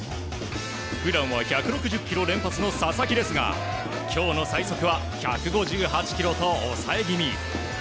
普段は１６０キロ連発の佐々木ですが今日の最速は１５８キロと抑え気味。